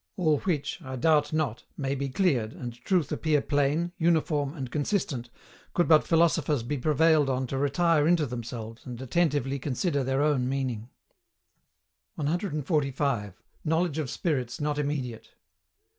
All which, I doubt not, may be cleared, and truth appear plain, uniform, and consistent, could but philosophers be prevailed on to retire into themselves, and attentively consider their own meaning. 145. KNOWLEDGE OF SPIRITS NOT IMMEDIATE.